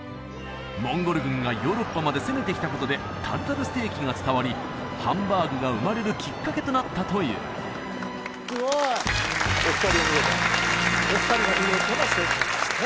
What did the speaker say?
モンゴル軍がヨーロッパまで攻めてきたことでタルタルステーキが伝わりハンバーグが生まれるきっかけとなったというお二人お見事お二人が見事な正解でしたね